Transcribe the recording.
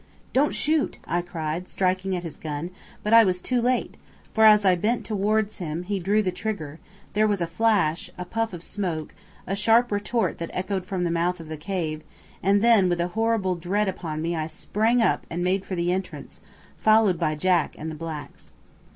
"Don't shoot," I cried, striking at his gun; but I was too late, for as I bent towards him he drew the trigger, there was a flash, a puff of smoke, a sharp report that echoed from the mouth of the cave, and then with a horrible dread upon me I sprang up and made for the entrance, followed by Jack and the blacks.